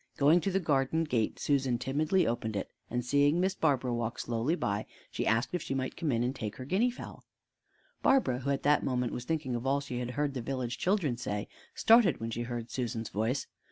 Going to the garden gate, Susan timidly opened it, and seeing Miss Barbara walk slowly by, she asked if she might come in and take her guinea fowl. Barbara, who at that moment was thinking of all she had heard the village children say, started when she heard Susan's voice.